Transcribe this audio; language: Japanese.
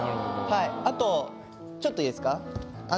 あとちょっといいですか。